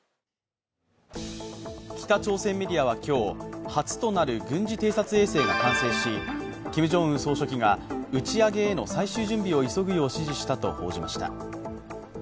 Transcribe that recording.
北朝鮮メディアは今日初となる軍事偵察衛星が完成しキム・ジョンウン総書記が打ち上げへの最終準備を急ぐよう指示したと報じました。